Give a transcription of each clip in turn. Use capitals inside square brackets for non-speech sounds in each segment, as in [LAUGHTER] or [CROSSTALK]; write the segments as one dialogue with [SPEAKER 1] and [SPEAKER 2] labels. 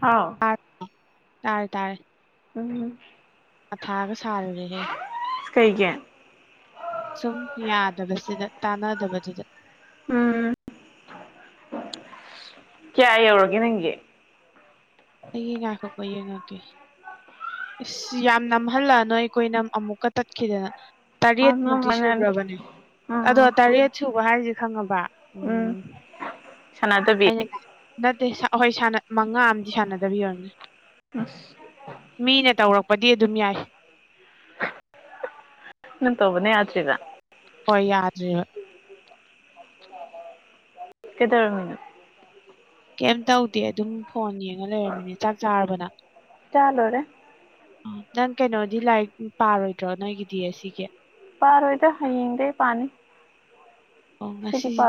[SPEAKER 1] ꯍꯥꯎ
[SPEAKER 2] ꯇꯔ ꯇꯥꯔꯦ ꯇꯥꯔꯦ
[SPEAKER 1] ꯎꯝꯝ
[SPEAKER 2] ꯑ ꯊꯥꯒ ꯁꯜ ꯔꯦ
[SPEAKER 1] ꯀꯩꯒꯤ
[SPEAKER 2] ꯁꯨꯝ ꯌꯥꯗꯕꯁꯤꯗ ꯇꯥꯟꯅꯗꯕꯁꯤꯗ
[SPEAKER 1] ꯎꯝ ꯀꯌꯥ ꯌꯧꯔꯒꯦ ꯅꯪꯒꯤ
[SPEAKER 2] ꯑꯩꯒꯤ ꯉꯥꯏꯈꯣꯀꯣ ꯌꯦꯡꯉꯛꯀꯦ ꯏꯁ ꯌꯥꯝ ꯅꯝꯍꯜꯂꯛ ꯅꯣꯏ ꯑꯩꯈꯣꯏꯅ ꯑꯃꯨꯛꯀ ꯇꯠꯈꯤꯗꯅ ꯇꯔꯦꯠ
[SPEAKER 1] ꯑ ꯅꯪ
[SPEAKER 2] ꯃꯨꯛꯇꯤ
[SPEAKER 1] ꯃꯥꯟꯅꯔꯦ
[SPEAKER 2] ꯁꯨꯈ꯭ꯔꯕꯅꯦ ꯑꯗꯣ
[SPEAKER 1] ꯎꯝ
[SPEAKER 2] ꯇꯔꯦꯠ ꯁꯨꯕ ꯍꯥꯏꯁꯦ ꯈꯪꯉꯕ
[SPEAKER 1] ꯎꯝ ꯁꯅꯥꯗ
[SPEAKER 2] ꯅꯠꯇꯦ ꯍꯣꯏ ꯃꯉꯥ ꯑ ꯁꯥꯟꯅꯗꯕ ꯌꯔꯅꯤ
[SPEAKER 1] ꯑꯁ
[SPEAKER 2] ꯃꯤꯅ ꯇꯧꯔꯛꯄꯗꯤ ꯑꯗꯨꯝ ꯌꯥꯏ
[SPEAKER 1] ꯅ ꯇꯧꯕꯅ ꯌꯥꯗꯔ꯭ꯤꯕꯥ
[SPEAKER 2] ꯍꯣꯏ ꯌꯥꯗꯔ꯭ꯤꯕꯥ
[SPEAKER 1] ꯀꯩꯗꯧꯔꯝꯃꯤꯅꯣ
[SPEAKER 2] ꯀꯩꯝ ꯇꯧꯗꯦ ꯑꯗꯨꯝ ꯐꯣꯟ ꯌꯦꯡꯉ ꯂꯩꯔꯝꯃꯤꯅꯦ ꯆꯥꯛ ꯆꯥꯔꯕꯅ
[SPEAKER 1] ꯆꯥ ꯂꯣꯏꯔꯦ
[SPEAKER 2] ꯑꯣ ꯅꯪ ꯀꯩꯅꯣꯗꯤ ꯂꯥꯏꯔꯤꯛ ꯄꯥꯔꯣꯏꯗ꯭ꯔꯣ ꯅꯣꯏꯒꯤꯗꯤ ꯑꯁꯤꯒꯤ
[SPEAKER 1] ꯄꯥꯔ ꯑꯣꯏꯣꯏꯗ ꯍꯗ ꯄꯅꯤ
[SPEAKER 2] ꯑꯣ ꯉꯁꯤꯁꯦ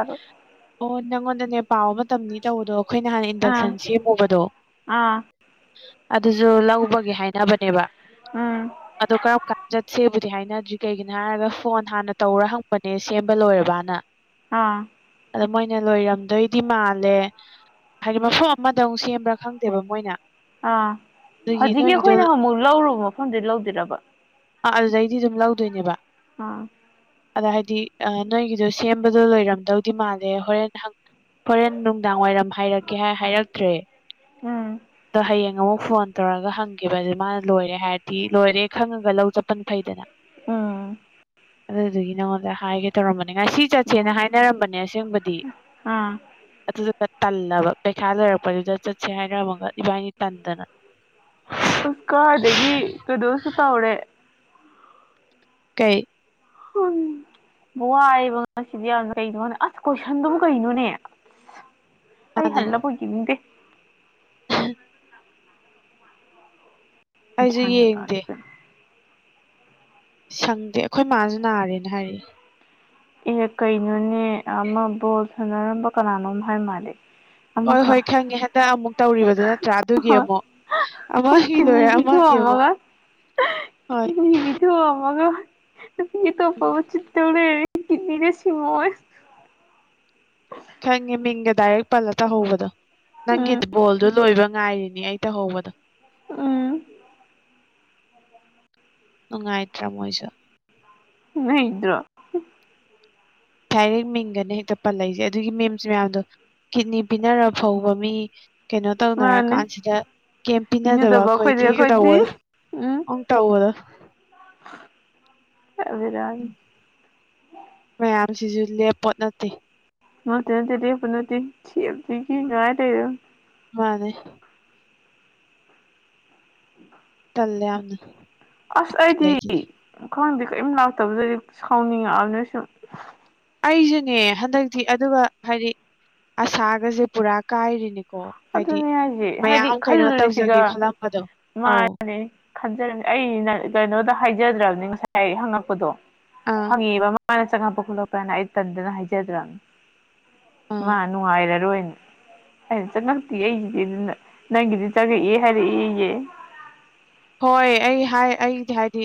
[SPEAKER 2] ꯑꯣ ꯅꯪꯉꯣꯟꯗꯅꯦ ꯄꯥꯎꯕ ꯃꯇꯝꯅꯤ ꯇꯧꯕꯗꯣ ꯑꯩꯈꯣꯏꯅ ꯍꯥꯟꯅ
[SPEAKER 1] ꯑꯥ
[SPEAKER 2] ꯏꯟꯗꯛꯁꯟ ꯁꯦꯝꯃꯨꯕꯗꯣ
[SPEAKER 1] ꯑꯥ
[SPEAKER 2] ꯑꯗꯨꯁꯨ ꯂꯧꯕꯒꯦ ꯍꯥꯏꯅꯕꯅꯦꯕ
[SPEAKER 1] ꯎꯝ
[SPEAKER 2] ꯑꯗꯨ ꯀꯔꯝ ꯀꯥꯟ ꯆꯠꯁꯦꯕꯨꯗꯤ ꯍꯥꯏꯅꯗ꯭ꯔꯤ ꯀꯩꯒꯤꯅꯣ ꯍꯥꯏꯔꯒ ꯐꯣꯟ ꯍꯥꯟꯅ ꯇꯧꯔ ꯍꯪꯕꯅꯦ ꯁꯦꯝꯕ ꯂꯣꯏꯔꯕꯅ
[SPEAKER 1] ꯑꯥ
[SPEAKER 2] ꯑꯗꯣ ꯃꯣꯏꯅ ꯂꯣꯏꯔꯝꯗꯣꯏꯗꯤ ꯃꯥꯜꯂꯦ ꯍꯥꯏꯗꯤ ꯃꯐꯝ ꯑꯃꯗꯧꯨꯛ ꯁꯦꯝꯕ꯭ꯔꯥ ꯈꯪꯗ ꯅꯠꯇꯦꯕ ꯃꯣꯏꯅ
[SPEAKER 1] ꯑꯥ
[SPEAKER 2] ꯑꯗꯨꯒꯤ
[SPEAKER 1] ꯍꯧꯖꯤꯛꯀꯤ
[SPEAKER 2] ꯅꯣꯏꯒꯤꯗꯣ
[SPEAKER 1] ꯑꯩꯈꯣꯏꯅ ꯑꯃꯨꯛ ꯂꯧꯔꯨꯕ ꯃꯐꯝꯗꯤ ꯂꯧꯗꯔꯕ
[SPEAKER 2] ꯑꯥ ꯑꯗꯨꯗꯩꯗꯤ ꯑꯗꯨꯝ ꯂꯧꯗꯣꯏꯅꯦꯕ
[SPEAKER 1] ꯑꯥ
[SPEAKER 2] ꯑꯗ ꯍꯥꯏꯗꯤ ꯅꯣꯏꯒꯤꯗꯣ ꯁꯦꯝꯕꯗꯣ ꯂꯣꯏꯔꯝꯗꯧꯗꯤ ꯃꯥꯜꯂꯦ ꯍꯣꯔꯦꯟꯪ ꯍꯣꯔꯦꯟ ꯅꯨꯡꯗꯥꯡ ꯋꯥꯏꯔꯝ ꯍꯥꯏꯔꯛꯀꯦ ꯍꯥꯏ ꯍꯥꯏꯔꯛꯇ꯭ꯔꯦ
[SPEAKER 1] ꯎꯝ
[SPEAKER 2] ꯑꯗꯣ ꯍꯌꯦꯡ ꯑꯃꯨꯛ ꯐꯣꯟ ꯇꯧꯔꯒ ꯍꯪꯈꯤꯕꯁꯨ ꯃꯥꯅꯥ ꯂꯣꯏꯔꯦ ꯍꯥꯏꯔꯗꯤ ꯂꯣꯏꯔꯦ ꯈꯪꯉꯒ ꯂꯧ ꯆꯠꯄꯅ ꯐꯩꯗꯅ
[SPEAKER 1] ꯎꯝ
[SPEAKER 2] ꯑꯗꯨꯗꯨꯒꯤ ꯅꯉꯣꯟꯗ ꯍꯥꯏꯒꯦ ꯇꯧꯔꯝꯕꯅꯤ ꯉꯥꯁꯤ
[SPEAKER 1] ꯎꯝ
[SPEAKER 2] ꯆꯠꯁꯦꯅ ꯍꯥꯏꯅꯔꯝꯕꯅꯦ ꯑꯁꯦꯡꯕꯗꯤ
[SPEAKER 1] ꯑꯥ
[SPEAKER 2] ꯑꯗꯨꯗꯨꯅ ꯇꯜꯂꯕ ꯄꯩꯈꯥ ꯂꯩꯣꯏꯔꯛꯄꯗꯨꯗ ꯆꯠꯁꯦ ꯍꯥꯏꯔꯝꯃꯒ ꯏꯕꯥꯅꯤ ꯇꯟꯗꯅ
[SPEAKER 1] ꯎꯁ ꯀꯥꯗꯒꯤ ꯀꯩꯗꯧꯁꯨ ꯇꯧꯔꯦ
[SPEAKER 2] ꯀꯩ
[SPEAKER 1] ꯈꯟ ꯋꯥꯏꯕ ꯉꯁꯤꯗꯤ ꯌꯥꯝ ꯀꯩꯅꯣꯅ ꯑꯁ ꯀꯣꯏꯁꯟꯗꯨꯕꯨ ꯀꯩꯅꯣꯅꯦ ꯑꯩ
[SPEAKER 2] ꯃꯥꯅꯦ
[SPEAKER 1] ꯍꯜꯂ ꯄꯣꯛ ꯌꯦꯡꯅꯤꯡꯗꯦ
[SPEAKER 2] [INAUDIBLE] ꯑꯩꯁꯨ
[SPEAKER 1] ꯒꯌ꯭ꯥꯟꯒ
[SPEAKER 2] ꯌꯦꯡꯗꯦ
[SPEAKER 1] ꯇꯥꯗꯦꯗ
[SPEAKER 2] ꯁꯪꯗꯦ ꯑꯩꯈꯣꯏ ꯃꯥꯁꯨ ꯅꯥꯔꯦꯅ ꯍꯥꯏꯔꯛꯢ
[SPEAKER 1] ꯑꯦ ꯀꯩꯅꯣꯅꯦ ꯑꯃ ꯕꯣꯜ ꯁꯥꯟꯅꯔꯝꯕ ꯀꯅꯥꯅꯣꯝ ꯍꯥꯏ ꯃꯥꯜꯂꯦ
[SPEAKER 2] ꯍꯣꯏ
[SPEAKER 1] ꯑꯃꯈꯛ
[SPEAKER 2] ꯍꯣꯏ ꯈꯪꯉꯦ ꯍꯟꯗꯛ ꯑꯃꯨꯛ ꯇꯧꯔꯤꯕꯗꯨ ꯅꯠꯇ꯭ꯔꯥ ꯑꯗꯨꯒꯤ ꯑꯃꯨꯛ
[SPEAKER 1] ꯑꯁ
[SPEAKER 2] ꯑꯃꯒꯤ
[SPEAKER 1] ꯀꯤꯠꯅꯤ
[SPEAKER 2] ꯂꯣꯏꯔ ꯑꯃꯒꯤ ꯑꯃꯨꯛ
[SPEAKER 1] ꯄꯤꯊꯣꯛꯑꯝꯃꯒ
[SPEAKER 2] ꯍꯣꯏ
[SPEAKER 1] [UNINTELLIGIBLE] ꯑꯃꯒꯥ ꯅꯨꯄꯤ ꯑꯇꯣꯞꯄ
[SPEAKER 2] ꯎꯝ
[SPEAKER 1] ꯑꯃ ꯆꯤꯠꯇꯧ ꯂꯩꯔꯝꯃꯦ ꯀꯤꯠꯅꯤꯗꯨ ꯁꯤꯡꯉꯨ ꯑꯣꯏ [INAUDIBLE]
[SPEAKER 2] ꯈꯪꯉꯦ ꯃꯤꯡꯒ ꯗꯥꯏꯔꯦꯛ ꯄꯜꯂ ꯇꯥꯍꯧꯕꯗꯣ ꯅꯪꯒꯤ
[SPEAKER 1] ꯎꯝ
[SPEAKER 2] ꯗꯨꯕꯣꯜꯗꯨ ꯂꯣꯏꯕꯥ ꯉꯥꯏꯔꯤꯅꯦ ꯑꯩ ꯇꯧꯍꯧꯕꯗꯣ
[SPEAKER 1] ꯎꯝ
[SPEAKER 2] ꯅꯨꯡꯉꯥꯏꯇ꯭ꯔꯥ ꯃꯣꯏꯁꯨ
[SPEAKER 1] ꯅꯩꯗꯔꯣ
[SPEAKER 2] ꯗꯥꯏꯔꯦꯛ ꯃꯤꯡꯒꯅꯦ ꯍꯦꯛꯇ ꯄꯜꯂꯛꯏꯁꯦ ꯑꯗꯨꯒꯤ ꯃꯤꯝꯁ ꯃꯌꯥꯝꯗꯣ ꯀꯤꯠꯅꯤ ꯄꯤꯅꯔ ꯐꯥꯎꯕ ꯃꯤ ꯀꯩꯅꯣ ꯇꯧꯅꯔ
[SPEAKER 1] ꯃꯥꯅꯦ
[SPEAKER 2] ꯀꯥꯟꯁꯤꯗ ꯀꯩꯝ ꯄꯤꯅꯗꯕ
[SPEAKER 1] ꯑꯩꯈꯣꯏꯗꯤ
[SPEAKER 2] ꯑꯩꯈꯣꯏꯗꯤꯒ
[SPEAKER 1] ꯑꯩꯈꯣꯏꯗꯤ
[SPEAKER 2] ꯇꯧꯕꯥꯗꯣ
[SPEAKER 1] ꯎꯝ
[SPEAKER 2] ꯑꯪ ꯇꯧꯕꯗꯣ
[SPEAKER 1] [UNINTELLIGIBLE]
[SPEAKER 2] ꯃꯌꯥꯝꯁꯤꯁꯨ ꯂꯦꯞꯄꯣꯠ ꯅꯠꯇꯦ
[SPEAKER 1] ꯅꯠꯇꯦ ꯅꯇꯦ ꯗꯦꯞꯀꯤ ꯅꯠꯇꯦ [UNINTELLIGIBLE]
[SPEAKER 2] ꯃꯥꯅꯦ
[SPEAKER 1] [INAUDIBLE]
[SPEAKER 2] ꯇꯜꯂꯦ ꯍꯥꯏꯝꯅꯦ
[SPEAKER 1] ꯑꯁ ꯑꯩꯗꯤ ꯈꯪꯗꯦ ꯀꯔꯤꯝ ꯂꯥꯛꯇꯕꯗꯩꯗꯤ ꯁꯥꯎꯅꯤꯡꯉꯛꯑꯕꯅꯦ ꯁꯨꯝ
[SPEAKER 2] ꯑꯩꯁꯨꯅꯦ ꯍꯟꯗꯛꯇꯤ ꯑꯗꯨꯒ ꯍꯥꯏꯗꯤ ꯑꯁꯥꯒꯁꯦ ꯄꯨꯔꯥ ꯀꯥꯏꯔꯤꯅꯦ
[SPEAKER 1] ꯑꯗꯨꯅꯤ ꯍꯥꯏꯁꯦ ꯍꯥꯏꯗꯤ
[SPEAKER 2] ꯇꯧꯖꯒꯦ
[SPEAKER 1] ꯈꯜꯂꯨꯔꯤꯁꯤꯒ
[SPEAKER 2] ꯈꯜꯂꯝꯕꯗꯣ ꯑꯧ
[SPEAKER 1] ꯃꯥꯅꯦ ꯈꯟꯖꯔꯅꯤ ꯑꯩꯅ ꯀꯩꯅꯣꯗ ꯍꯥꯏꯖꯗ꯭ꯔꯕꯅꯤ ꯉꯁꯥꯏ ꯍꯪꯉꯛꯄꯗꯣ
[SPEAKER 2] ꯑꯥ
[SPEAKER 1] ꯐꯒꯤꯔꯣ ꯃꯥꯅ ꯆꯪꯉꯛꯄ ꯈꯣꯠꯂꯛꯄ ꯍꯥꯏꯅꯥ ꯑꯩ ꯇꯟꯗꯅ ꯍꯥꯏꯖꯗ꯭ꯔꯝ
[SPEAKER 2] ꯑꯥ
[SPEAKER 1] ꯃꯥ ꯅꯨꯡꯉꯥꯏꯔꯔꯣꯏꯅ ꯑꯩꯅ ꯆꯪꯉꯛꯇꯦ ꯑꯩꯒꯤꯗꯤ ꯑꯗꯨꯅ ꯅꯪꯒꯤꯗꯤ ꯆꯪꯉꯛꯑꯦ ꯍꯥꯏꯔꯛꯏꯌꯦ
[SPEAKER 2] ꯍꯣꯏ ꯑꯩ ꯍꯥꯏ ꯑꯩꯗꯤ ꯍꯥꯏꯗꯤ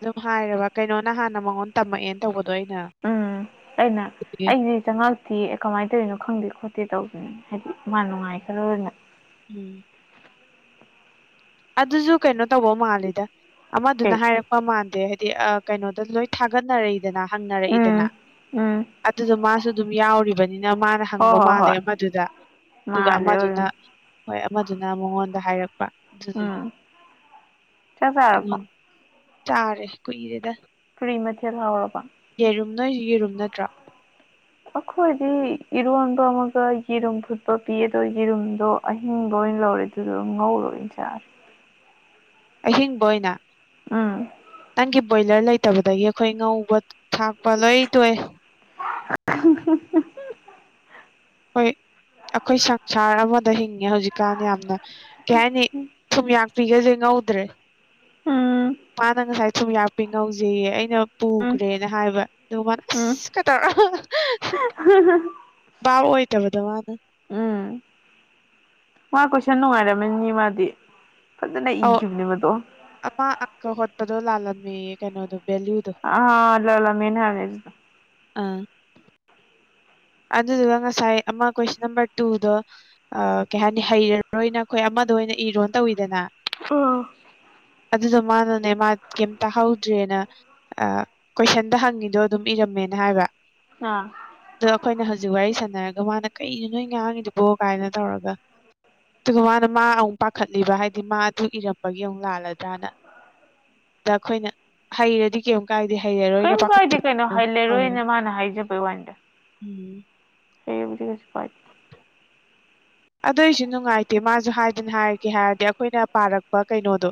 [SPEAKER 2] ꯑꯗꯨꯝ ꯍꯥꯏꯔꯕ ꯀꯩꯅꯣꯅ ꯍꯥꯟꯅ ꯃꯉꯣꯟ ꯇꯝꯃꯛꯑꯦꯅ ꯇꯧꯕꯗꯣ ꯑꯩꯅ
[SPEAKER 1] ꯎꯝ ꯑꯩꯅ ꯑꯩꯗꯤ ꯆꯪꯉꯛꯇꯤꯌꯦ ꯀꯃꯥꯏ ꯇꯧꯔꯤꯅꯣ ꯈꯪꯗꯦ ꯈꯣꯠꯇꯦ ꯇꯧꯒꯤꯝꯅꯤ ꯍꯥꯏꯗꯤ ꯃꯥ ꯅꯨꯡꯉꯥꯏꯈ꯭ꯔꯣꯏꯅ
[SPEAKER 2] ꯎꯝ ꯑꯗꯨꯁꯨ ꯀꯩꯅꯣ ꯇꯧꯕ ꯃꯥꯜꯂꯤꯗ ꯑꯃꯗꯨꯅ
[SPEAKER 1] ꯀꯩ
[SPEAKER 2] ꯍꯥꯏꯔꯛꯄ ꯃꯥꯟꯗꯦ ꯍꯥꯏꯗꯤ ꯑꯥ ꯀꯩꯅꯣꯗ ꯂꯣꯏ ꯊꯥꯒꯠꯅꯔꯛꯏꯗꯅ ꯍꯪꯅꯔꯛꯏꯗꯅ
[SPEAKER 1] ꯎꯝ ꯎꯝ
[SPEAKER 2] ꯑꯗꯨꯗ ꯃꯥꯁꯨ ꯑꯗꯨꯝ ꯌꯥꯎꯔꯤꯕꯅꯤꯅ ꯃꯥꯅ
[SPEAKER 1] ꯍꯣꯏ
[SPEAKER 2] ꯍꯪꯕ
[SPEAKER 1] ꯍꯣꯏ
[SPEAKER 2] ꯃꯥꯜꯂꯦ
[SPEAKER 1] ꯍꯣꯏ
[SPEAKER 2] ꯑꯃꯗꯨꯗ ꯑꯗꯨꯒ
[SPEAKER 1] ꯃꯥꯜꯂꯦ
[SPEAKER 2] ꯑꯃꯗꯨꯅ
[SPEAKER 1] ꯑꯣꯏꯔꯝ
[SPEAKER 2] ꯍꯣꯏ ꯑꯃꯗꯨꯅ ꯃꯉꯣꯟꯗ ꯍꯥꯏꯔꯛꯄ ꯑꯗꯨꯗꯒꯤ
[SPEAKER 1] ꯎꯝ ꯆꯥꯛ ꯆꯥꯔꯕꯣ
[SPEAKER 2] ꯑꯩꯉꯣꯟ ꯆꯥꯔꯦ ꯀꯨꯏꯔꯦꯗ
[SPEAKER 1] ꯐꯨꯔꯤ ꯃꯊꯦꯜ ꯍꯥꯎꯔꯕ
[SPEAKER 2] ꯌꯦꯔꯨꯝ ꯅꯣꯏ ꯌꯦꯔꯨꯝ ꯅꯠꯇ꯭ꯔꯣ
[SPEAKER 1] ꯑꯩꯈꯣꯏꯗꯤ ꯏꯔꯣꯟꯕ ꯑꯃꯒ ꯌꯦꯔꯨꯝ ꯐꯨꯠꯄ ꯄꯤ ꯑꯗꯣ ꯌꯦꯔꯨꯝꯗꯣ ꯑꯍꯤꯡꯕ ꯑꯣꯏꯅ ꯂꯧꯔꯦ ꯑꯗꯨꯗ ꯉꯧꯔ ꯑꯣꯏꯅ ꯆꯥꯔꯦ
[SPEAKER 2] ꯑꯍꯤꯡꯕ ꯑꯣꯏꯅ
[SPEAKER 1] ꯎꯝ
[SPEAKER 2] ꯅꯪꯒꯤ ꯕꯣꯏꯂꯔ ꯂꯩꯇꯕꯗꯒꯤ ꯑꯩꯈꯣꯏ ꯉꯧꯕ ꯊꯥꯛꯄ ꯂꯣꯏ ꯇꯣꯏꯑ
[SPEAKER 1] [UNINTELLIGIBLE]
[SPEAKER 2] ꯍꯣꯏ ꯑꯩꯈꯣꯏ ꯁꯪꯁꯥꯔ ꯑꯃꯗ ꯍꯤꯡꯉꯦ ꯍꯧꯖꯤꯛꯀꯥꯟ ꯌꯥꯝꯅ ꯀꯩ ꯍꯥꯏꯅꯤ ꯊꯨꯝꯌꯥꯛꯄꯤꯒꯁꯦ ꯉꯧꯗ꯭ꯔꯦ
[SPEAKER 1] ꯎꯝ
[SPEAKER 2] ꯃꯥꯅ ꯉꯁꯥꯏ ꯁꯨꯝ ꯌꯥꯛꯄꯤ ꯉꯧꯁꯌꯦ ꯑꯩꯅ
[SPEAKER 1] ꯎꯝ
[SPEAKER 2] ꯄꯨꯈ꯭ꯔꯦ ꯍꯥꯏꯕ ꯑꯗꯨ ꯃꯥꯅ ꯑꯁ ꯀ ꯇꯧꯔ
[SPEAKER 1] ꯍ ꯍ
[SPEAKER 2] ꯚꯥꯕ ꯑꯣꯏꯗꯕꯗꯣ ꯃꯥꯅ
[SPEAKER 1] ꯎꯝ ꯃꯥ ꯀꯣꯏꯁꯟ ꯅꯨꯡꯉꯥꯏꯔꯝꯃꯅꯤꯅꯦ ꯃꯥꯗꯤ ꯐꯖꯅ
[SPEAKER 2] ꯑꯧ
[SPEAKER 1] ꯏꯈꯤꯕꯅꯦ ꯃꯗꯣ
[SPEAKER 2] ꯑꯃ ꯑꯪꯀ ꯍꯣꯠꯄꯗꯣ ꯂꯥꯜꯂꯝꯃꯦꯌꯦ ꯀꯩꯅꯣꯗꯣ ꯚꯦꯂꯨꯗꯣ
[SPEAKER 1] ꯑꯥ ꯂꯥꯜꯂꯝꯃꯦꯅ ꯍꯥꯏꯕꯅꯦ ꯑꯗꯨꯗꯣ
[SPEAKER 2] ꯑꯥ ꯑꯗꯨꯗꯨꯒ ꯉꯁꯥꯏ ꯑꯃ ꯀꯣꯏꯁꯟ ꯅꯝꯕꯔ ꯇꯨꯗꯣ ꯑ ꯀꯩ ꯍꯥꯏꯅꯤ ꯍꯩꯔꯔꯅ ꯑꯩꯈꯣꯏ ꯑꯃꯗ ꯑꯣꯏꯅ ꯏꯔꯣꯅ ꯇꯧꯋꯤꯗꯅ
[SPEAKER 1] ꯑ
[SPEAKER 2] ꯑꯗꯨꯗꯣ ꯃꯥꯅꯅꯦ ꯃꯥ ꯀꯩꯝ ꯇꯥꯍꯧꯗ꯭ꯔꯦꯅ ꯑ ꯀꯣꯏꯁꯟꯗ ꯍꯪꯉꯤꯗꯣ ꯑꯗꯨꯝ ꯏꯔꯝꯃꯦꯅ ꯍꯥꯏꯕ
[SPEAKER 1] ꯑ
[SPEAKER 2] ꯑꯗꯣ ꯑꯩꯈꯣꯏꯅ ꯍꯧꯖꯤꯛ ꯋꯥꯔꯤ ꯁꯥꯟꯅꯔꯒ ꯃꯥꯅ ꯀꯩꯅꯣ ꯅꯣꯏ ꯉꯥꯡꯉꯤꯗꯨꯕꯣ ꯀꯥꯏꯅ ꯇꯧꯔꯒ ꯑꯗꯨꯒ ꯃꯥꯅ ꯃꯥ ꯑꯃꯨꯛ ꯄꯥꯈꯠꯂꯤꯕ ꯍꯥꯏꯗꯤ ꯃꯥ ꯑꯗꯨ ꯏꯔꯝꯕꯒꯤ ꯑꯃꯨꯛ ꯂꯥꯜꯂꯗ꯭ꯔꯥꯅ ꯗ ꯑꯩꯈꯣꯏꯅ ꯍꯩꯔꯗꯤ ꯀꯩꯝ ꯀꯥꯏꯗꯦ ꯍꯩꯔ
[SPEAKER 1] ꯀꯔꯤꯝ ꯀꯥꯏꯗꯦ ꯀꯩꯅꯣ ꯍꯩꯂꯔꯣꯏꯅ ꯃꯥꯅ ꯍꯥꯏꯖꯕꯩ ꯋꯥꯅꯤꯗ
[SPEAKER 2] ꯎꯝ
[SPEAKER 1] ꯍꯩꯔꯕꯨꯗꯤ ꯀꯩꯁꯨ ꯀꯥꯏꯗꯦ
[SPEAKER 2] ꯑꯗꯨꯏꯁꯨ ꯅꯨꯡꯉꯥꯏꯇꯦ ꯃꯥꯁꯨ ꯍꯥꯏꯗꯅ ꯍꯥꯏꯔꯒꯦ ꯍꯥꯏꯔꯗꯤ ꯑꯩꯈꯣꯏꯅ ꯄꯥꯔꯛꯄ ꯀꯩꯅꯣꯗꯣ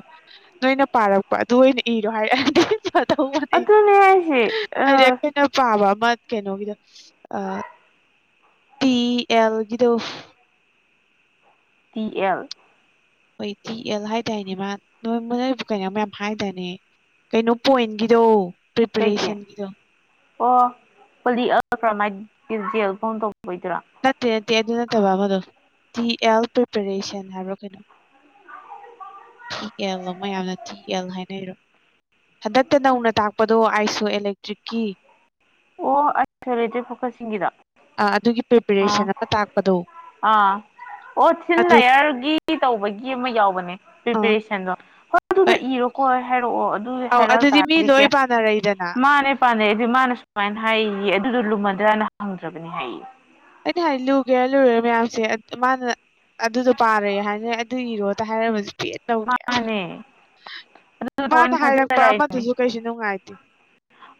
[SPEAKER 2] ꯅꯣꯏꯅ ꯄꯥꯔꯛꯄ ꯑꯗꯨ ꯑꯣꯏꯅ ꯏꯔꯣ ꯍꯥꯏꯔꯛ ꯑꯗꯤ ꯐꯗꯧꯕꯅꯦ
[SPEAKER 1] ꯑꯗꯨꯅꯦ ꯍꯥꯏꯁꯦ
[SPEAKER 2] ꯍꯥꯏꯗꯤ
[SPEAKER 1] ꯑꯥ
[SPEAKER 2] ꯑꯩꯈꯣꯏ ꯑꯩꯅ ꯄꯥꯕ ꯑꯃ ꯀꯩꯅꯣꯒꯤꯗꯣ ꯑ ꯇꯤ ꯑꯦꯜꯒꯤꯗꯣ
[SPEAKER 1] ꯇꯤ ꯑꯦꯜ
[SPEAKER 2] ꯍꯣꯏ ꯇꯤ ꯑꯦꯜ ꯍꯥꯏꯗꯥꯏꯅꯦ ꯃꯥ ꯅꯣꯏ ꯅꯣꯏꯕꯨ ꯀꯩꯅꯣ ꯃꯌꯥꯝ ꯍꯥꯏꯗꯥꯏꯅꯦ ꯀꯩꯅꯣ ꯄꯣꯏꯟꯒꯤꯗꯣ
[SPEAKER 1] ꯀꯩꯒꯤ
[SPEAKER 2] ꯄ꯭ꯔꯤꯄꯔꯦꯁꯟꯒꯤꯗꯣ
[SPEAKER 1] ꯑꯣ ꯄꯣꯂꯤ ꯑꯜꯀ꯭ꯔꯃꯥꯏꯗꯀꯤ ꯖꯦꯜ ꯐꯣꯝ ꯇꯧꯕꯩꯗꯨꯔꯣ
[SPEAKER 2] ꯅꯠꯇꯦ ꯅꯠꯇꯦ ꯑꯗꯨ ꯅꯠꯇꯕ ꯑꯃꯗꯣ ꯇꯤ ꯑꯦꯜ ꯄ꯭ꯔꯤꯄꯔꯦꯁꯟ ꯍꯥꯏꯕ꯭ꯔ ꯀꯩꯅꯣ ꯊꯤ ꯑꯦꯜꯂꯣ ꯃꯌꯥꯝꯅ ꯊꯤ ꯌꯦꯜ ꯍꯥꯏꯅꯩꯔꯣ ꯍꯟꯗꯛꯇ ꯅꯧꯅ ꯇꯥꯛꯄꯗꯣ ꯑꯥꯏꯁꯣ ꯑꯦꯂꯦꯛꯇ꯭ꯔꯤꯛꯀꯤ
[SPEAKER 1] ꯑꯣ ꯑꯥꯏꯁꯣꯂꯦꯇꯦꯗ ꯐꯣꯀꯁꯤꯡꯒꯤꯗꯣ
[SPEAKER 2] ꯑ ꯑꯗꯨꯒꯤ
[SPEAKER 1] ꯑ
[SPEAKER 2] ꯄ꯭ꯔꯤꯄꯦꯔꯦꯁꯟ ꯑꯃ ꯇꯥꯛꯄꯗꯣ
[SPEAKER 1] ꯑ ꯑꯣ ꯊꯤꯟ
[SPEAKER 2] ꯑꯗꯨ
[SPEAKER 1] ꯂꯥꯌꯥꯔ ꯌꯔꯒꯤ ꯇꯧꯕꯒꯤ ꯑꯃ ꯌꯥꯎꯕꯅꯦ
[SPEAKER 2] ꯑꯥ
[SPEAKER 1] ꯄ꯭ꯔꯤꯄꯦꯔꯦꯁꯟꯗꯣ ꯍꯣꯏ ꯑꯗꯨꯗꯣ ꯏꯔꯣꯀꯣ ꯍꯥꯏꯔꯛꯑꯣ ꯑꯗꯨ ꯍꯥꯏꯔꯛ ꯇꯥꯔꯗꯤ ꯀ
[SPEAKER 2] ꯂꯩꯗꯅꯥ
[SPEAKER 1] ꯄꯥꯟꯅꯩ ꯑꯗꯨꯗꯤ ꯃꯥꯅ ꯁꯨꯃꯥꯏꯅ ꯍꯥꯏꯌꯦ ꯑꯗꯨꯗꯣ ꯂꯨꯃꯟꯗ꯭ꯔꯅ ꯍꯪꯗ꯭ꯔꯕꯅꯤ ꯍꯥꯏꯌꯦ
[SPEAKER 2] ꯑꯩꯗꯤ ꯍꯥꯏꯗꯤ ꯂꯨꯒꯦꯔ ꯂꯨꯔꯣꯏꯔ ꯃꯌꯥꯝꯁꯦ ꯃꯥꯅ ꯑꯗꯨꯗꯣ ꯄꯥꯔꯦ ꯍꯥꯏꯅ ꯑꯗꯨ ꯏꯔꯣ ꯇ ꯍꯥꯏꯔꯝꯃꯖꯨ ꯄꯦꯟꯅꯤ
[SPEAKER 1] ꯃꯥꯅꯦ ꯑꯗꯨꯗꯣ
[SPEAKER 2] [UNINTELLIGIBLE] ꯃꯥꯅ
[SPEAKER 1] ꯊꯑꯣꯏꯅ
[SPEAKER 2] ꯍꯥꯏꯔꯛꯄ
[SPEAKER 1] ꯐꯖꯔꯛꯏꯅꯦ
[SPEAKER 2] ꯑꯃꯗꯨꯁꯨ ꯀꯩꯁꯨ ꯅꯨꯡꯉꯥꯏꯇꯦ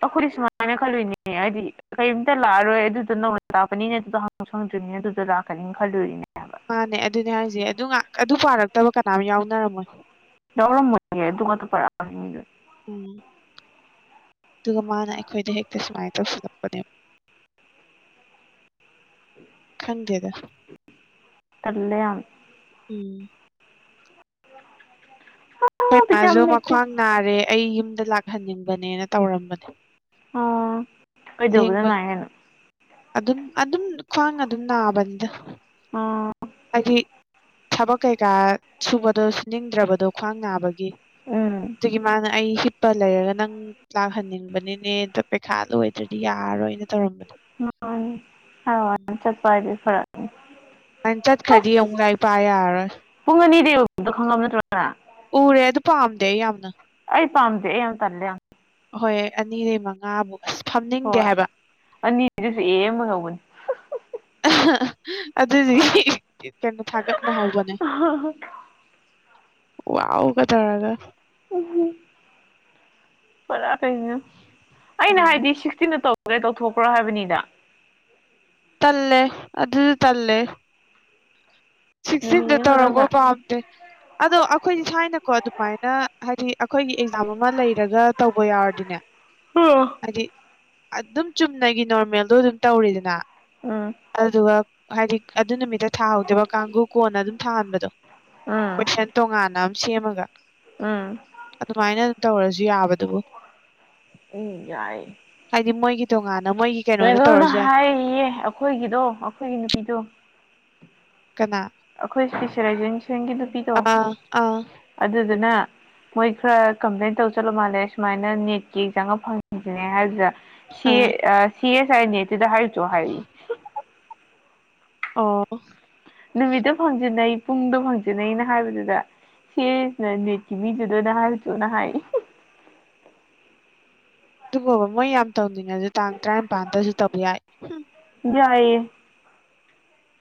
[SPEAKER 1] ꯑꯩꯈꯣꯏꯗꯤ ꯁꯨꯃꯥꯏꯅ ꯈꯜꯂꯨꯏꯅꯦ ꯍꯥꯏꯗꯤ ꯀꯩꯝꯇ ꯂꯥꯛꯑꯔꯣꯏ ꯑꯗꯨꯗꯣ ꯅꯧꯅ ꯇꯥꯛꯛꯄꯅꯤꯅ ꯑꯗꯨꯗꯣ ꯍꯪꯁꯨ ꯍꯪꯗ꯭ꯔꯤꯅꯤꯅ ꯑꯗꯨꯗꯣ ꯂꯥꯛꯀꯅꯤꯅ ꯈꯜꯂꯨꯔꯤꯅꯦ ꯍꯥꯏꯕ
[SPEAKER 2] ꯃꯥꯅꯦ ꯑꯗꯨꯅꯦ ꯍꯥꯏꯁꯦ ꯑꯗꯨ ꯉꯥꯛ ꯑꯗꯨ ꯄꯥꯔꯛꯇꯕ ꯀꯅꯥꯝ ꯌꯥꯎꯅꯔꯝꯃꯣꯏ
[SPEAKER 1] ꯌꯥꯎꯔꯝꯃꯣꯏꯌꯦ ꯑꯗꯨꯉꯥꯛꯇ ꯄꯥꯔꯛꯑꯝꯅꯤ ꯃꯤ ꯂꯣꯏꯅ
[SPEAKER 2] ꯎꯝ ꯑꯗꯨꯒ ꯃꯥꯅ ꯑꯩꯈꯣꯏꯗ ꯍꯦꯛꯇꯤ ꯁꯨꯃꯥꯏꯅ ꯇꯧꯁꯤꯜꯂꯛꯄꯅꯦꯕ [INAUDIBLE]
[SPEAKER 1] [INAUDIBLE]
[SPEAKER 2] ꯈꯪꯗꯦꯗ
[SPEAKER 1] ꯇꯜꯂꯦ ꯌꯥꯝ
[SPEAKER 2] ꯎꯝ
[SPEAKER 1] [INAUDIBLE]
[SPEAKER 2] ꯈꯣꯏ
[SPEAKER 1] ꯌꯥꯝ
[SPEAKER 2] ꯃꯥꯖꯨ
[SPEAKER 1] ꯂꯩꯇꯦ
[SPEAKER 2] ꯃꯈ꯭ꯋꯥꯡ ꯅꯥꯔꯦ ꯑꯩ ꯌꯨꯝꯗ ꯂꯥꯛꯍꯟꯅꯤꯡꯕꯅꯦꯅ ꯇꯧꯔꯝꯕꯅꯦ
[SPEAKER 1] ꯑꯣ
[SPEAKER 2] ꯂꯦꯡꯕ
[SPEAKER 1] ꯀꯩꯗꯧꯕꯗꯅꯨꯡꯥꯏ ꯍꯥꯏꯦꯅ
[SPEAKER 2] ꯑꯗꯨꯝ ꯑꯗꯨꯝ ꯈ꯭ꯋꯥꯡ ꯑꯗꯨꯝ ꯅꯥꯕꯅꯤꯗ
[SPEAKER 1] ꯑꯥ
[SPEAKER 2] ꯍꯥꯏꯗꯤ ꯊꯕꯛ ꯀꯩꯀꯥ ꯁꯨꯕꯗꯣꯨ ꯁꯨꯅꯤꯡꯗ꯭ꯔꯕꯗꯣ ꯈ꯭ꯋꯥꯡ ꯉꯥꯕ
[SPEAKER 1] ꯎꯝ
[SPEAKER 2] ꯑꯗꯨꯒꯤ ꯃꯥꯅ ꯑꯩ ꯂꯩꯔꯒ ꯅꯪ ꯂꯥꯛꯍꯟꯅꯤꯡꯕꯅꯤꯅꯦ ꯑ ꯄꯩꯈꯥ ꯂꯣꯏꯗ꯭ꯔꯗꯤ ꯌꯥꯔꯣꯏꯅ ꯇꯧꯔꯝꯕꯗꯣ ꯎꯝ
[SPEAKER 1] ꯆꯄꯗꯤ ꯐꯔꯅꯤ [UNINTELLIGIBLE]
[SPEAKER 2] ꯅꯪ ꯆꯠꯈ꯭ꯔꯗꯤ ꯑꯃꯨꯛ ꯂꯥꯏꯔꯤꯛ ꯄꯥ ꯌꯥꯔꯔꯣꯏ
[SPEAKER 1] ꯄꯨꯡ ꯑꯅꯤꯗꯒꯤ ꯈꯪꯂꯝꯕ ꯅꯠꯇ꯭ꯔꯣꯒꯅ
[SPEAKER 2] ꯎꯔꯦ ꯑꯥꯗꯣ ꯄꯥꯝꯗ ꯑꯩ ꯌꯥꯝꯅ
[SPEAKER 1] ꯑꯩ ꯄꯥꯝꯗꯦ ꯑꯩ ꯌꯥꯝ ꯇꯜꯂꯦ ꯌꯥꯝ
[SPEAKER 2] ꯍꯣꯏ ꯑꯅꯤꯗꯩꯩ ꯃꯉꯥꯕꯨ ꯑꯁ ꯐꯝꯅꯤꯡꯗꯦ
[SPEAKER 1] ꯍꯣꯏ
[SPEAKER 2] ꯍꯥꯏꯕ
[SPEAKER 1] ꯑꯅꯤꯗꯨꯁꯨ ꯑꯦ ꯑꯦꯝ ꯉꯧꯕꯅꯤ
[SPEAKER 2] ꯑꯗꯨꯗꯤ ꯀꯩꯅꯣ ꯊꯥꯒꯠꯅꯍꯧꯕꯅꯦ ꯋꯥꯎꯒ ꯇꯧꯔꯒ
[SPEAKER 1] ꯄꯨꯔꯥ ꯀꯩꯅꯣ ꯑꯩꯅ
[SPEAKER 2] ꯎꯝ
[SPEAKER 1] ꯍꯥꯏꯗꯤ ꯁꯤꯛꯁꯇꯤꯗ ꯇꯧ ꯇꯦ ꯇꯧꯊꯣꯛꯈ꯭ꯔꯣ ꯍꯥꯏꯕꯅꯤꯗ
[SPEAKER 2] ꯇꯂꯦ ꯑꯁꯨ ꯇꯂꯦ
[SPEAKER 1] ꯅꯨꯃꯤꯠ
[SPEAKER 2] ꯁꯤꯛꯁꯇꯤꯟꯗ ꯇꯧꯔꯛꯄ
[SPEAKER 1] ꯑꯃꯈꯛꯇꯪꯗ
[SPEAKER 2] ꯄꯥꯝꯗꯦ ꯑꯗꯣ ꯑꯩꯈꯣꯏꯗꯤ ꯊꯥꯏꯅꯀꯣ ꯑꯗꯨꯃꯥꯏꯅ ꯍꯥꯏꯗꯤ ꯑꯩꯈꯣꯏꯒꯤ ꯑꯦꯛꯖꯥꯝ ꯑꯃ ꯂꯩꯔꯒ ꯇꯧꯕ ꯌꯥꯎꯔꯗꯤꯅꯦ ꯍꯥꯏꯗꯤ ꯑꯗꯨꯝ ꯆꯨꯝꯅꯒꯤ ꯅꯣꯔꯃꯦꯜꯗꯣ ꯑꯗꯨꯝ ꯇꯧꯔꯤꯗꯅ
[SPEAKER 1] ꯎꯝ
[SPEAKER 2] ꯑꯗꯨꯗꯨꯒ ꯍꯥꯏꯗꯤ ꯑꯗꯨ ꯅꯨꯃꯤꯠꯇ ꯊꯥꯍꯧꯗꯦꯕ ꯀꯥꯡꯒꯨ ꯀꯣꯟꯅ ꯑꯗꯨꯝ ꯊꯥꯍꯟꯕꯗꯣ ꯀꯣꯏꯁꯟ ꯇꯣꯉꯥꯟꯅ ꯑꯃ ꯁꯦꯝꯃꯒ
[SPEAKER 1] ꯑꯝ
[SPEAKER 2] ꯑꯗꯨꯃꯥꯏꯅ ꯇꯧꯔꯁꯨ ꯌꯥꯕꯗꯨꯕꯨ
[SPEAKER 1] ꯎꯝ꫰ꯌꯥꯏ
[SPEAKER 2] ꯍꯥꯏꯗꯤ ꯃꯣꯏꯒꯤ ꯇꯣꯉꯥꯟꯅ ꯃꯣꯏ
[SPEAKER 1] ꯍꯥꯏꯔꯤꯌꯦ ꯑꯩꯈꯣꯏꯒꯤꯗꯣ ꯑꯩꯈꯣꯏꯒꯤ ꯅꯨꯄꯤꯗꯣ
[SPEAKER 2] ꯀꯅꯥ
[SPEAKER 1] ꯑꯩꯈꯣꯏ ꯏꯁꯄꯤꯁꯂꯥꯏꯖꯦꯟꯁꯒꯤ ꯅꯨꯄꯤ [UNINTELLIGIBLE]
[SPEAKER 2] ꯑꯥ ꯑꯥ
[SPEAKER 1] ꯑꯗꯨ ꯑꯗꯨꯅ ꯃꯣꯏ ꯈꯔ ꯀꯝꯄ꯭ꯂꯦꯟ ꯇꯧ ꯆꯠꯂꯨ ꯃꯥꯜꯂꯦ ꯁꯨꯃꯥꯏꯅ ꯅꯦꯠꯀꯤ ꯑꯦꯛꯖꯥꯡ ꯑꯃ ꯐꯪꯟꯁꯤꯅꯦ ꯍꯥꯏꯗꯨꯗ ꯁꯤ
[SPEAKER 2] ꯑꯥ
[SPEAKER 1] ꯑꯦ ꯁꯤ ꯑꯦꯁ ꯑꯥꯏ ꯅꯦꯠꯇꯨꯗ ꯍꯥꯏꯔꯁꯨ ꯍꯥꯏꯔꯛ
[SPEAKER 2] ꯑꯣ
[SPEAKER 1] ꯅꯨꯃꯤꯠꯇ ꯐꯥꯡꯖꯤꯟꯅꯩ ꯄꯨꯡꯗ ꯐꯪꯖꯟꯅꯩꯅ ꯍꯥꯏꯕꯗꯨꯗ ꯁꯤꯁꯅ ꯅꯤꯠꯀꯤ ꯃꯤꯗꯨꯗ ꯑꯣꯏꯅ ꯍꯥꯏꯔꯨꯆꯣꯅ ꯍꯥꯏꯌꯦ
[SPEAKER 2] ꯑꯗꯨꯕꯣꯕ ꯃꯣꯏ ꯌꯥꯝ ꯇꯧꯅꯤꯡꯉꯁꯨ ꯇꯥꯡ ꯇꯔꯥꯅꯤꯄꯥꯥꯟꯗꯁꯨ ꯇꯧꯕ ꯌꯥꯏ
[SPEAKER 1] ꯌꯥꯏꯌꯦ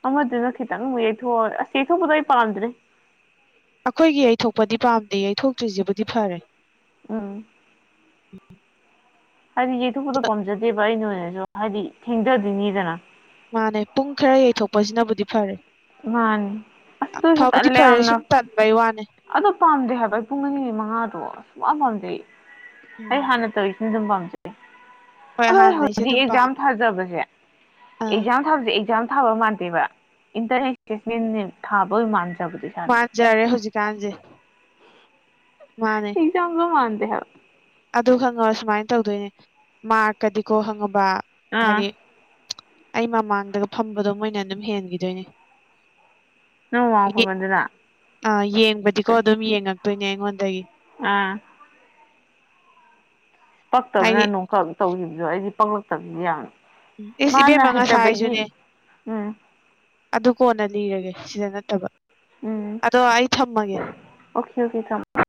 [SPEAKER 1] ꯑꯃꯗꯨꯅ ꯈꯤꯇꯪ ꯌꯩꯊꯣꯛꯑ ꯑꯁ ꯌꯩꯊꯣꯛꯄꯗꯨ ꯑꯩ ꯄꯥꯝꯗ꯭ꯔꯦ
[SPEAKER 2] ꯑꯩꯈꯣꯏꯒꯤ ꯌꯩꯊꯣꯛꯄꯗꯤ ꯄꯥꯝꯗꯦ ꯌꯩꯊꯣꯛꯇ꯭ꯔꯤꯁꯤꯕꯨꯗꯤ ꯐꯔꯦ
[SPEAKER 1] ꯎꯝ ꯍꯥꯏꯗꯤ ꯌꯩꯊꯣꯛꯄꯗꯣ ꯄꯥꯝꯖꯗꯦꯕ ꯑꯩꯅ ꯑꯣꯏꯅꯁꯨ ꯍꯥꯏꯗꯤ ꯊꯦꯡꯖꯗꯨꯢꯅꯤꯗꯅ
[SPEAKER 2] ꯃꯥꯅꯦ ꯄꯨꯡ ꯈꯔ ꯌꯩꯊꯣꯛꯄꯁꯤꯅꯕꯨꯗꯤ ꯐꯔꯦ
[SPEAKER 1] ꯃꯥꯅꯤ ꯑꯁ ꯑꯗꯨꯏꯁꯨ
[SPEAKER 2] ꯐꯕꯗꯤ
[SPEAKER 1] ꯇꯜꯂꯦ
[SPEAKER 2] ꯐꯔꯦ ꯁꯨꯝ
[SPEAKER 1] ꯌꯥꯝꯅ
[SPEAKER 2] ꯇꯟꯕꯩ ꯋꯥꯅꯦ
[SPEAKER 1] ꯑꯗꯣ ꯄꯥꯝꯗꯦ ꯍꯥꯏꯕ ꯑꯩ ꯄꯨꯡ ꯑꯅꯤꯒꯤ ꯃꯉꯥꯗꯣ ꯁꯨꯛ ꯄꯥꯝꯖꯩ ꯑꯩ
[SPEAKER 2] ꯎꯝ
[SPEAKER 1] ꯍꯥꯟꯅ ꯇꯧꯔꯤꯁꯦ ꯑꯗꯨꯝ ꯄꯥꯝꯖꯩ
[SPEAKER 2] ꯍꯣꯏ
[SPEAKER 1] ꯑꯗꯣꯏ
[SPEAKER 2] ꯍꯥꯟꯅꯩꯁꯦ
[SPEAKER 1] ꯍꯧꯖꯤꯛ
[SPEAKER 2] ꯑꯗꯨꯝ
[SPEAKER 1] ꯑꯦꯛꯖꯥꯝ
[SPEAKER 2] ꯄꯥꯝꯃꯦ
[SPEAKER 1] ꯊꯥꯖꯕꯁꯦ
[SPEAKER 2] ꯑꯥ
[SPEAKER 1] ꯑꯦꯛꯖꯥꯝ ꯊꯥꯕꯁꯦ ꯑꯦꯛꯖꯥꯝ ꯊꯥꯕ ꯃꯥꯟꯗꯦꯕ ꯏꯟꯇꯔꯅꯦ ꯑꯦꯁꯦꯁꯃꯦꯟ ꯊꯥꯕ ꯃꯥꯟꯖꯕꯗꯨ
[SPEAKER 2] ꯃꯥꯟꯖꯔꯦ ꯍꯧꯖꯤꯛꯀꯥꯟꯁꯦ ꯃꯥꯅꯦ
[SPEAKER 1] ꯆꯣꯡ ꯃꯥꯟꯗ ꯍꯥꯏꯕ
[SPEAKER 2] ꯑꯗꯨ ꯈꯪꯉꯕ ꯁꯨꯃꯥꯏꯅ ꯇꯧꯗꯣꯏꯅꯦ ꯃꯥꯔꯀꯗꯤꯀꯣ ꯈꯪꯉꯕ
[SPEAKER 1] ꯑꯥ
[SPEAKER 2] ꯍꯥꯏꯗꯤ ꯑꯩ ꯃꯃꯥꯡꯗꯒ ꯐꯝꯕꯗꯣ ꯃꯣꯏꯅ ꯑꯗꯨꯝ ꯍꯦꯟꯒꯤꯗꯣꯏꯅꯦ
[SPEAKER 1] ꯅꯣ [UNINTELLIGIBLE]
[SPEAKER 2] ꯑꯥ ꯌꯦꯡꯕꯗꯤꯀꯣ ꯑꯗꯨꯝ ꯌꯦꯡꯉꯛꯇꯣꯏꯅꯦ ꯑꯩꯉꯣꯟꯗꯒꯤ
[SPEAKER 1] ꯑꯥ ꯄꯛꯇꯕꯅ
[SPEAKER 2] ꯍꯥꯏꯗꯤ
[SPEAKER 1] ꯅꯣꯡꯈꯛ ꯇꯧꯈꯤꯕꯗꯣ ꯑꯩꯗꯤ ꯄꯛꯂꯛꯇꯕꯗꯤ ꯌꯥꯝ
[SPEAKER 2] ꯏꯁ ꯏꯕꯦꯝ ꯉꯥꯁꯥꯏ ꯁꯨꯅꯦ
[SPEAKER 1] ꯎꯝ
[SPEAKER 2] ꯑꯗꯨ ꯀꯣꯟꯅ ꯂꯤꯔꯒꯦ ꯁꯤꯗ ꯅꯠꯇꯕ
[SPEAKER 1] ꯎꯝ
[SPEAKER 2] ꯑꯗꯣ ꯑꯩ ꯊꯝꯃꯒꯦ
[SPEAKER 1] ꯑꯣꯀꯦ ꯑꯣꯀꯦ [UNINTELLIGIBLE]